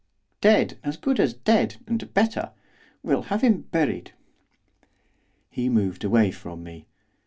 dead! as good as dead! and better! We'll have him buried.' He moved away from me.